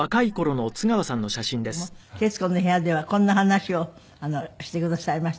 ３８年前ですけれども『徹子の部屋』ではこんな話をしてくださいました。